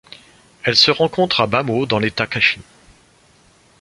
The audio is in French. Elle se rencontre à Bhamo dans l'État Kachin.